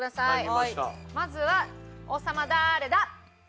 まずは王様だーれだ？